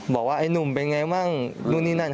บอกว่าไอ้หนุ่มเป็นอย่างไรบ้างนู่นนี่นั่น